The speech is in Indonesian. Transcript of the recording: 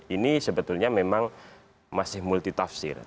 ini sebetulnya memang masih multi tafsir